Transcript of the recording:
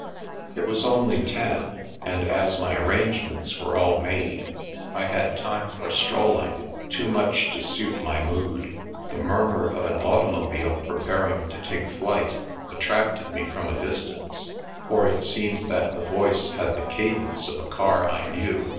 It was only ten, and as my arrangements were all made, I had time for strolling — ^too much to suit my mood. The murmur of an automobile preparing to take flight attracted me from a distance, for it seemed that the voice had the cadence of a car I knew.